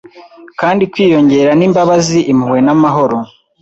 Kandi kwiyongera Nimbabazi impuhwe namahoro